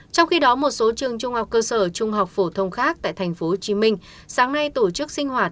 trong khi đó một số trường trung học cơ sở trung học phổ thông khác tại tp hcm sáng nay tổ chức sinh hoạt